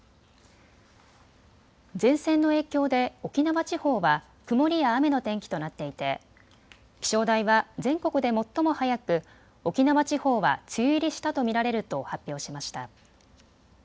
前線の影響で沖縄地方は曇りや雨の天気となっていて気象台は全国で最も早く沖縄地方は梅雨入りしたと見られると発表しました。